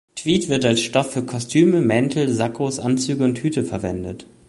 Tweed wird als Stoff für Kostüme, Mäntel, Sakkos, Anzüge und Hüte verwendet.